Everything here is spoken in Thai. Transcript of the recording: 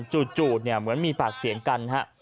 จูดเหมือนมีปากเสียงกัน